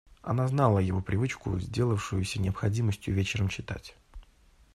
Она знала его привычку, сделавшуюся необходимостью, вечером читать.